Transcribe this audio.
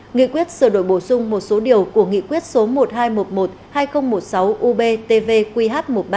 nghị quyết sửa đổi bổ sung một số điều của nghị quyết số một hai một một hai không một sáu ubtvqh một mươi ba